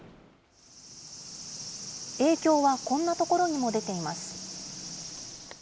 影響はこんなところにも出ています。